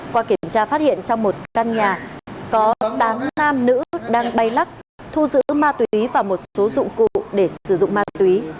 qua kiểm tra phát hiện trong một căn nhà có tám nam nữ đang bay lắc thu giữ ma túy và một số dụng cụ để sử dụng ma túy